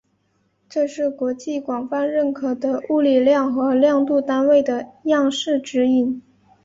这是国际广泛认可的物理量和量度单位的样式指引。